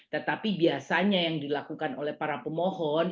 tetapi biasanya yang dilakukan oleh para pemohon